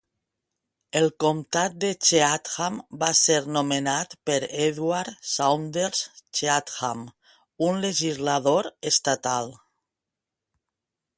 El comtat de Cheatham va ser nomenat per Edward Saunders Cheatham, un legislador estatal.